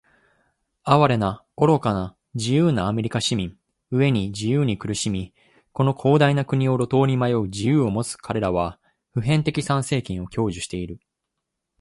哀れな、愚かな、自由なアメリカ市民！飢えに「自由」に苦しみ、この広大な国を路頭に迷う「自由」を持つかれらは、普遍的参政権を享受している。